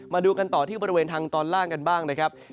มาดูกันต่อที่บริเวณทางตอนล่างกันบ้างนะครับ